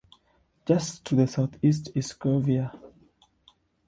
Just to the southeast is Cuvier.